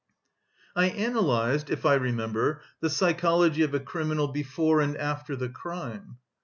"I analysed, if I remember, the psychology of a criminal before and after the crime."